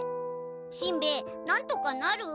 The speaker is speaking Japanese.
しんべヱなんとかなる？